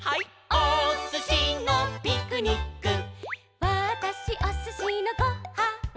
「おすしのピクニック」「わたしおすしのご・は・ん」